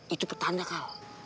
itu pertanda kal